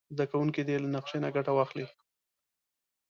زده کوونکي دې له نقشې نه ګټه واخلي.